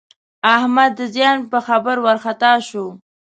احمد د زیان په خبر وارخطا شو.